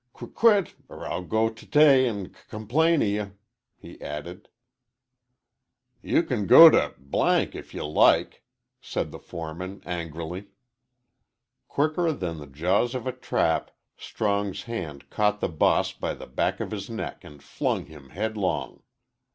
"Q quit, er I'll go to day an' c com plain o' ye," he added. "You can go to if you like," said the foreman, angrily. Quicker than the jaws of a trap Strong's hand caught the boss by the back of his neck and flung him headlong.